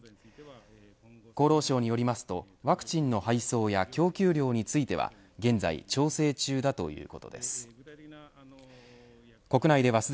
厚労省によりますとワクチンの配送や供給量については現在調整中だということです。